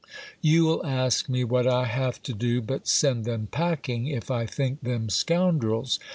You will ask me what I have to do but send them packing, if I think them scoundrels.